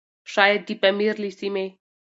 شايد د پامير له سيمې؛